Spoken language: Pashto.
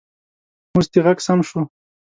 اوس دې غږ سم شو